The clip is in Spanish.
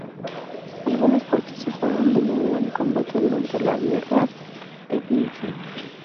Algunos participaron de nuevo en combate durante la Guerra de Ifni.